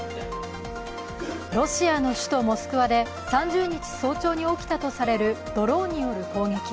ロシアの首都モスクワで３０日早朝に起きたとされるドローンによる攻撃。